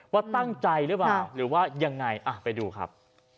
ว่าตั้งใจหรือเปล่าหรือว่ายังไงไปดูครับ